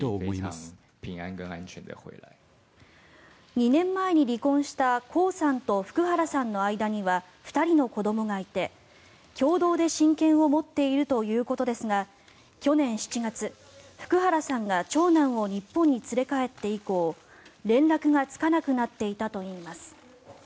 ２年前に離婚したコウさんと福原さんの間には２人の子どもがいて共同で親権を持っているということですが去年７月、福原さんが長男を日本に連れ帰って以降連絡がつかなくなっていたといいます。